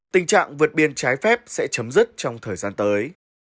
tình trạng vượt biên trái phép sẽ chấm dứt trong thời gian tới